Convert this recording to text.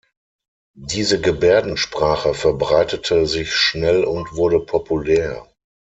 Diese Gebärdensprache verbreitete sich schnell und wurde populär.